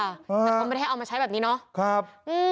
แต่ความเป็นให้เอามาใช้แบบนี้เนอะอืมครับ